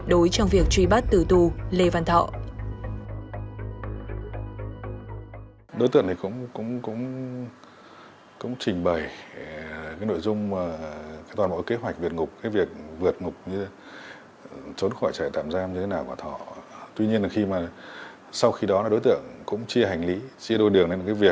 trong việc truy bắt tử tù lê văn thọ